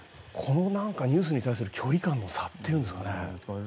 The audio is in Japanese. このニュースに対する距離感の差というんですかね。